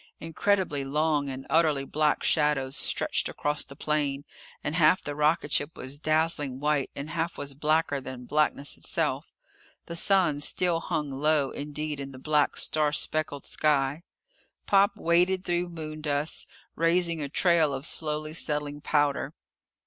Incredibly long and utterly black shadows stretched across the plain, and half the rocketship was dazzling white and half was blacker than blackness itself. The sun still hung low indeed in the black, star speckled sky. Pop waded through moondust, raising a trail of slowly settling powder.